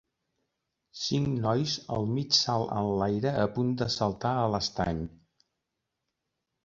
Cinc nois al mig salt enlaire a punt de saltar a l'estany.